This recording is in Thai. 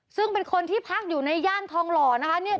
ซึ่งเป็นคนที่พักอยู่ในย่านทองหล่อนะคะเนี่ย